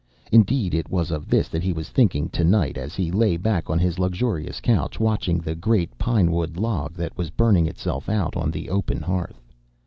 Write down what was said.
Indeed, it was of this that he was thinking to night, as he lay back on his luxurious couch, watching the great pinewood log that was burning itself out on the open hearth.